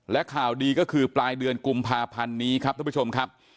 และข่าวดีก็คือปลายเดือนกุมภาพันธ์นี้ครับท่านผู้ชมครับ